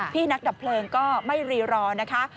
พี่นักดับเพลิงก็ไม่รีรอนะคะ